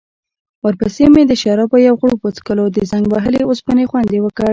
ورپسې مې د شرابو یو غوړپ وڅکلو، د زنګ وهلې اوسپنې خوند يې وکړ.